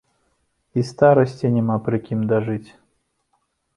І старасці няма пры кім дажыць!